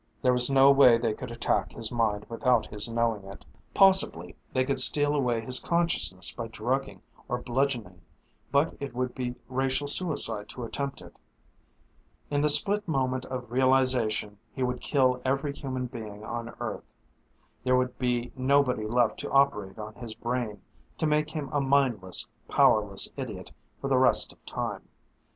There was no way they could attack his mind without his knowing it. Possibly they could steal away his consciousness by drugging or bludgeoning, but it would be racial suicide to attempt it. In the split moment of realization he would kill every human being on Earth. There would be nobody left to operate on his brain, to make him a mindless, powerless idiot for the rest of time.